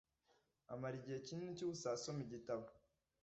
amara igihe kinini cyubusa asoma ibitabo.